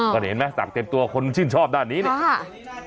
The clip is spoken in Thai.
อ๋อก็เห็นไหมสั่งเต็มตัวคนสิ้นชอบด้านนี้ครับ